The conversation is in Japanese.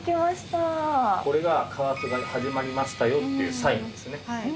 これが加圧がね始まりましたよっていうサインですね。